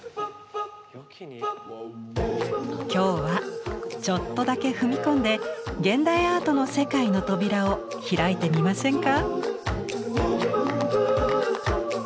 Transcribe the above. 今日はちょっとだけ踏み込んで現代アートの世界の扉を開いてみませんか？